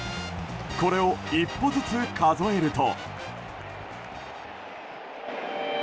これを１歩ずつ数えると。